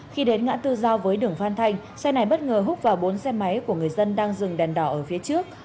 khi đến ngã tư giao với đường phan thanh xe này bất ngờ hút vào bốn xe máy của người dân đang dừng đèn đỏ ở phía trước